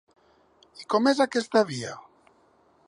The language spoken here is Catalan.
I com és aquesta via?